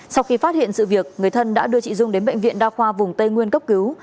sau khi phát hiện sự việc người thân đã đưa chị dung đến bệnh viện đa khoa vùng tây nguyên cấp cứu